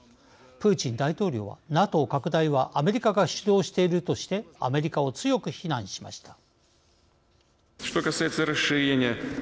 プーチン大統領はＮＡＴＯ拡大はアメリカが主導しているとしてアメリカを強く非難しました。